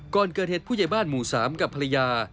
ก่อนเกิดเหตุผู้ใหญ่บ้านหมู่๓กับภรรยา